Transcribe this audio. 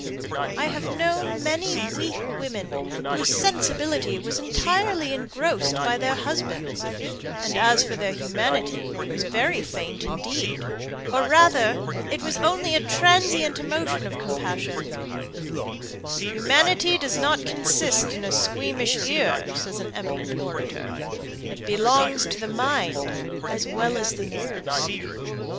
I have known many weak women whose sensibility was entirely engrossed by their husbands; and as for their humanity, it was very faint indeed, or rather it was only a transient emotion of compassion, "Humanity does not consist in a squeamish ear," says an eminent orator. "It belongs to the mind as well as the nerves."